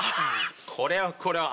これはこれは。